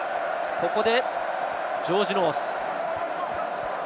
ここでジョージ・ノース。